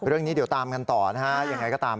เรื่องนี้เดี๋ยวตามกันต่อนะฮะยังไงก็ตาม